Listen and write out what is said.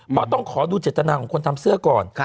เพราะต้องขอดูเจตนาของคนทำเสื้อก่อน